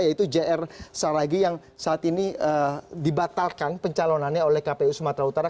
yaitu jr saragi yang saat ini dibatalkan pencalonannya oleh kpu sumatera utara